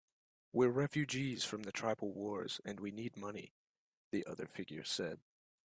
"We're refugees from the tribal wars, and we need money," the other figure said.